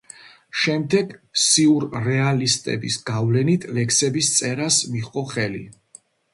შემდეგ სიურრეალისტების გავლენით ლექსების წერას მიჰყო ხელი.